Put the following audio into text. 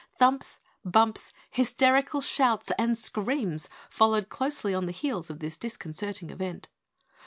Thumps, bumps, hysterical shouts and screams followed closely on the heels of this disconcerting event.